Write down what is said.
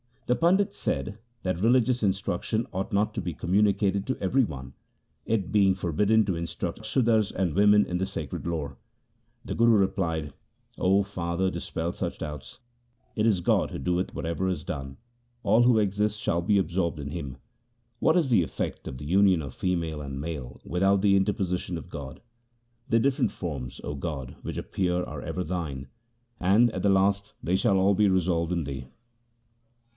1 The Pandit said that religious instruction ought not to be communicated to every one, it being for bidden to instruct Sudars and women in the sacred lore. The Guru replied :— O, father, dispel such doubts. It is God who doeth whatever is done ; all who exist shall be absorbed in Him. What is the effect of the union of female and male without the interposition of God ? The different forms, O God, which appear are ever Thine, and at the last they shall all be resolved in Thee.